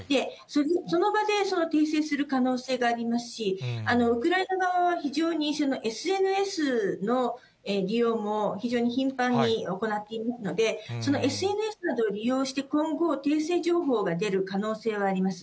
その場で訂正する可能性がありますし、ウクライナ側は非常にＳＮＳの利用も非常に頻繁に行っていますので、ＳＮＳなどを利用して、今後、訂正情報が出る可能性はあります。